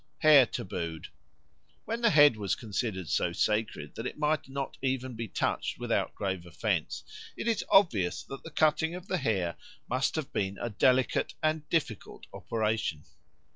Hair tabooed WHEN the head was considered so sacred that it might not even be touched without grave offence, it is obvious that the cutting of the hair must have been a delicate and difficult operation.